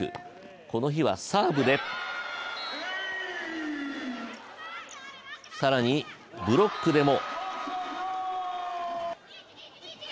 この日はサーブで更にブロックでも。